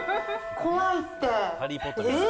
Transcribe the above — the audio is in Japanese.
怖いってー。